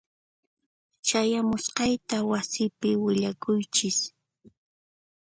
Chayamusqayta wasipi willakuychis.